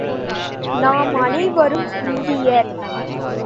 நாம் அனைவரும் இந்தியர்!